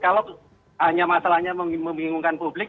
kalau hanya masalahnya membingungkan publik